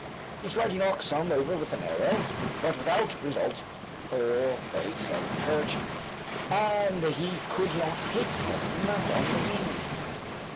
He tried to knock some over with an arrow, but without result, for they seldom perched, and he could not hit them on the wing.